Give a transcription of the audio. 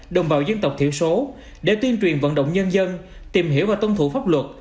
đồng bào dân tộc thiểu số để tuyên truyền vận động nhân dân tìm hiểu và tuân thủ pháp luật